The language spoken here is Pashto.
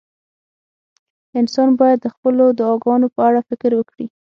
انسان باید د خپلو دعاګانو په اړه فکر وکړي.